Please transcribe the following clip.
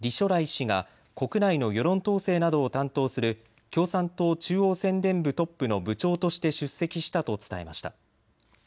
磊氏が国内の世論統制などを担当する共産党中央宣伝部トップの部長として出席したと伝えました。